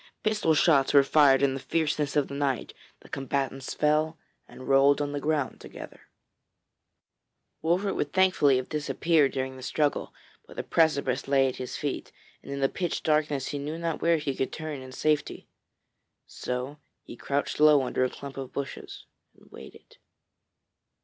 Pistol shots were fired in the fierceness of the fight, the combatants fell, and rolled on the ground together. [Illustration: THE FACE OF THE DROWNED BUCCANEER] Wolfert would thankfully have disappeared during the struggle, but a precipice lay at his feet, and in the pitch darkness he knew not where he could turn in safety. So he crouched low under a clump of bushes and waited.